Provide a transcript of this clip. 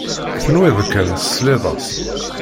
Tenwiḍ kan tesliḍ-as.